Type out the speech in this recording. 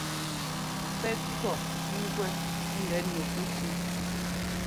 Pɛ́ kʉ̈ɔ ŋ́gwɛ ŋ́gɛ nu pɛsúu...